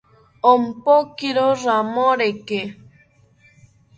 Ompokiro ramoreke